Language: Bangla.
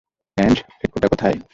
অ্যাঞ্জ, ওটা কোথায়?